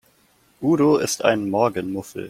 Udo ist ein Morgenmuffel.